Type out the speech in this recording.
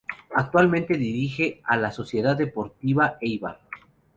Actualmente dirige a la Sociedad Deportiva Eibar.